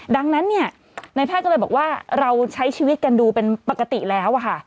ดังนั้นเนี่ยในแพทย์ก็เลยบอกว่าเราใช้ชีวิตกันดูเป็นปกติแล้วค่ะ